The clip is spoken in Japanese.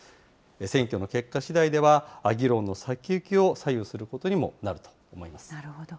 選挙の結果しだいでは、議論の先行きを左右することにもなると思なるほど。